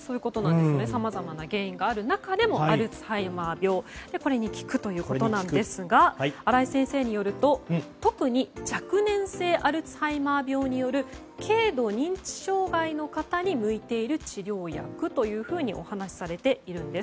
さまざまな原因がある中でもアルツハイマー病に効くということなんですが新井先生によると、特に若年性アルツハイマーによる軽度認知障害の方に向いている治療薬というふうにお話しされているんです。